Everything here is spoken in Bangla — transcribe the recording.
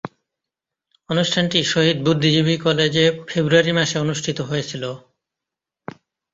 অনুষ্ঠানটি শহীদ বুদ্ধিজীবী কলেজে ফেব্রুয়ারি মাসে অনুষ্ঠিত হয়েছিলো।